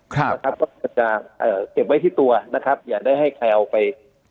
ก็จะเก็บไว้ที่ตัวนะครับอย่าได้ให้ใครเอาไปใช้